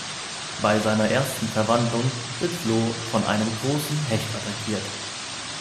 Bei seiner ersten Verwandlung wird Floh von einem großen Hecht attackiert.